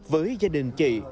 với gia đình chị